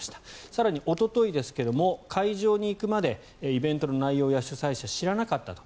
更におとといですが会場に行くまでイベントの内容や主催者を知らなかったと。